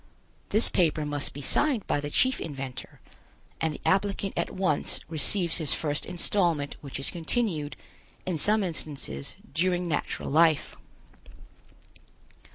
This paper must be signed by the Chief Inventor, and the applicant at once receives his first installment which is continued, in some instances, during natural life.